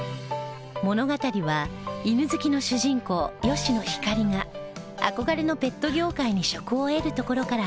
物語は犬好きの主人公吉野ひかりが憧れのペット業界に職を得るところから始まります